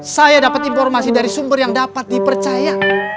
saya dapat informasi dari sumber yang dapat dipercaya